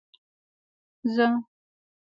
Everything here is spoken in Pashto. زه